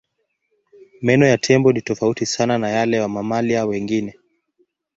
Meno ya tembo ni tofauti sana na yale ya mamalia wengine.